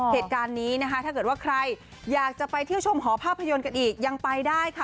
เหตุการณ์นี้นะคะถ้าเกิดว่าใครอยากจะไปเที่ยวชมหอภาพยนตร์กันอีกยังไปได้ค่ะ